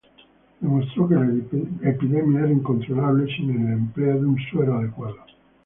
Demostró que la epidemia era incontrolable sin el empleo de un suero adecuado.